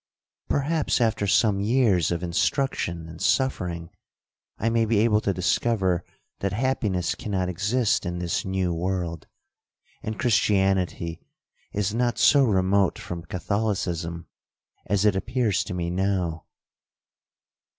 Perhaps, after some years of instruction and suffering, I may be able to discover that happiness cannot exist in this new world, and Christianity is not so remote from Catholicism as it appears to me now.'